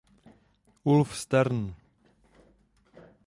Ulf Sterner.